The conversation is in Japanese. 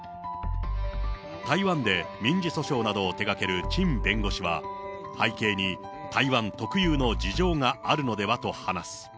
台湾で民事訴訟などを手がける陳弁護士は、背景に台湾特有の事情があるのではと話す。